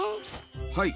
はい。